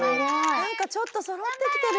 なんかちょっとそろってきてる！